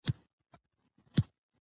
د واک ناوړه استعمال اعتماد له منځه وړي